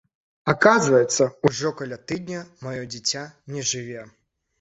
Аказваецца, ужо каля тыдня маё дзіця не жыве.